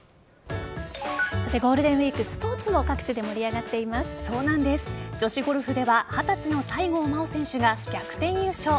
ゴールデンウイークスポーツも女子ゴルフでは二十歳の西郷真央選手が逆転優勝。